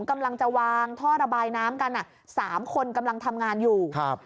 กำลังจะวางท่อระบายน้ำกันอ่ะสามคนกำลังทำงานอยู่ครับ